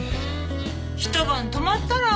一晩泊まったら？